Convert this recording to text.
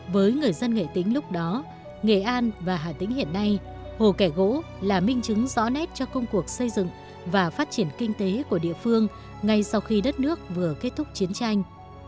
với người dân nghệ tính lúc đó nghệ an và hà tĩnh hiện nay hồ kẻ gỗ là minh chứng rõ nét cho công cuộc xây dựng và phát triển kinh tế của địa phương ngay sau khi đất nước vừa kết thúc chiến tranh